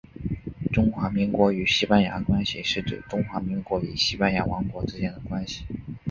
中华民国与西班牙关系是指中华民国与西班牙王国之间的关系。